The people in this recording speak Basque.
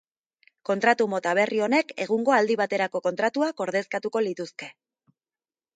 Kontratu mota berri horrek egungo aldi baterako kontratuak ordezkatuko lituzke.